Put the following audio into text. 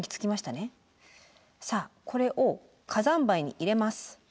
さあこれを火山灰に入れます。